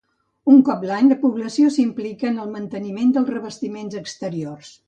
Un cop l'any la població s'implica en el manteniment dels revestiments exteriors.